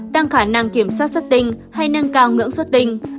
tăng khả năng kiểm soát xuất tinh hay nâng cao ngưỡng xuất tinh